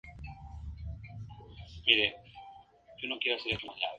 La pasta blanca resultante debe ser fina, porosa, absorbente y opaca.